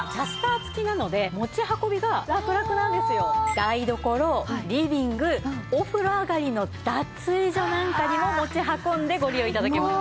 台所リビングお風呂上がりの脱衣所なんかにも持ち運んでご利用頂けます。